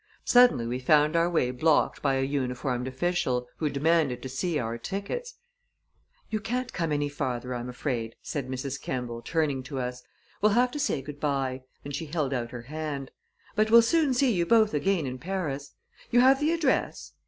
Suddenly, we found our way blocked by a uniformed official, who demanded to see our tickets. "You can't come any farther, I'm afraid," said Mrs. Kemball, turning to us. "We'll have to say good by," and she held out her hand. "But we'll soon see you both again in Paris. You have the address?"